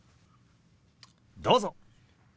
どうぞ。